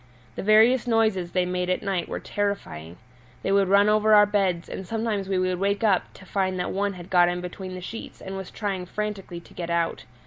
The various noises they made at night were terrifying; they would run over our beds and sometimes we would wake up to find that one had got in between the sheets and was trying frantically to get out.